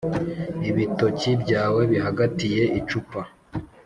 ibitoki byawe bihagatiye icupa